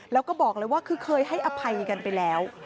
แล้วก็บอกเลยว่าคือเคยให้อภัยกันไปแล้ว